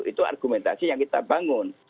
itu argumentasi yang kita bangun